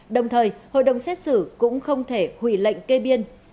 đồng thời hội đồng xét xử cũng không thể hủy lệnh kê biên